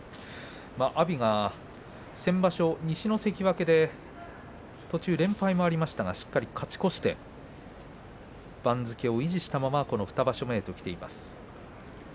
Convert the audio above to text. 阿炎は先場所、西の関脇で途中連敗もありましたがしっかり勝ち越して番付を維持したまま、この２場所目へときています。